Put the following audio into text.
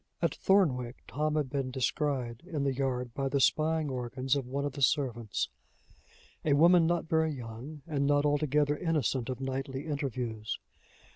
At Thornwick, Tom had been descried in the yard, by the spying organs of one of the servants a woman not very young, and not altogether innocent of nightly interviews.